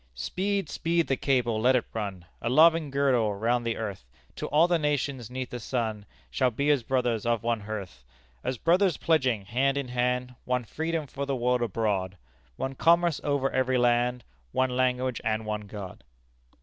Speed, speed the cable; let it run A loving girdle round the earth, Till all the nations 'neath the sun Shall be as brothers of one hearth; As brothers pledging, hand in hand, One freedom for the world abroad, One commerce over every land, One language and one God.